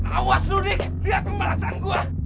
awas lo dik lihat kembalasan gua